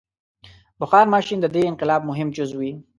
• بخار ماشین د دې انقلاب مهم جز و.